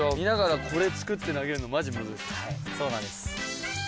はいそうなんです。